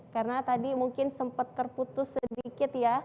karena tadi mungkin sempat terputus sedikit ya